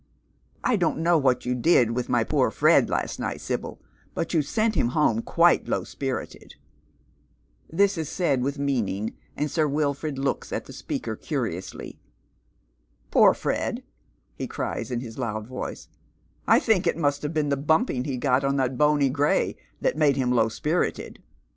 I don't know what you did with my poor Fred last night, Sibyl, but you sent him home quite low spirited." This is said with meaning, and Sir Wilford looks at the speaker curiously. ^" Poor Fred," he cries in his loud voice, " I think it must have been the brnnping he got on that bony gray that made him low epirited."